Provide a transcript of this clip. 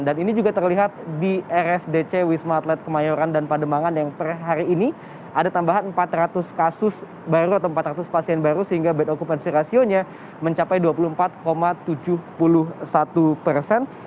dan ini juga terlihat di rsdc wisma atlet kemayoran dan pademangan yang per hari ini ada tambahan empat ratus kasus baru atau empat ratus pasien baru sehingga bad occupancy ratio nya mencapai dua puluh empat tujuh puluh satu persen